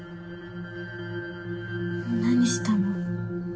何したの？